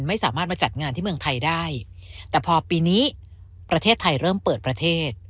ไม่สามารถมาจัดงานที่เมืองไทยได้แต่พอปีนี้ประเทศไทยเริ่มเปิดประเทศ